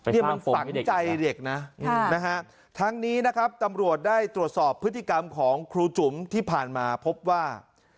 นี่มันฝังใจเด็กนะทั้งนี้นะครับตำรวจได้ตรวจสอบพฤติกรรมของครูจุ๋มที่ผ่านมาพบว่า